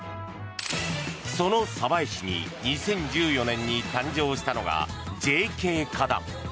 その鯖江市に２０１４年に誕生したのがＪＫ課だ。